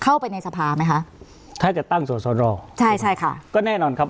เข้าไปในสภาไหมคะถ้าจะตั้งสอสอรอใช่ใช่ค่ะก็แน่นอนครับ